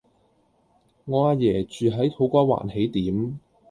我阿爺住喺土瓜灣喜點